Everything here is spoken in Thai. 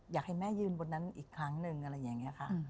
อยากให้แม่ยืนบนนั้นอีกครั้งหนึ่งอะไรอย่างนี้ค่ะ